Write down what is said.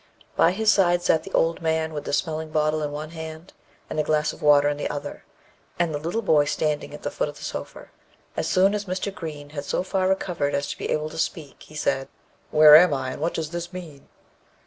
By his side sat the old man, with the smelling bottle in the one hand, and a glass of water in the other, and the little boy standing at the foot of the sofa. As soon as Mr. Green had so far recovered as to be able to speak, he said, "Where am I, and what does this mean?"